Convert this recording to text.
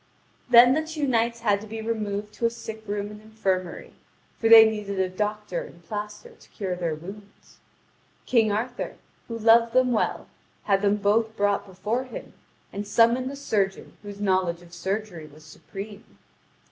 Then the two knights had to be removed to a sick room and infirmary, for they needed a doctor and piaster to cure their wounds. King Arthur, who loved them well, had them both brought before him, and summoned a surgeon whose knowledge of surgery was supreme.